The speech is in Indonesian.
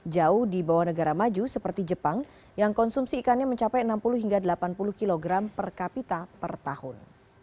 jauh di bawah negara maju seperti jepang yang konsumsi ikannya mencapai enam puluh hingga delapan puluh kg per kapita per tahun